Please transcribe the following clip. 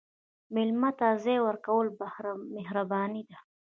مېلمه ته ځای ورکول مهرباني ده.